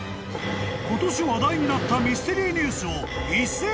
［今年話題になったミステリーニュースを一斉調査］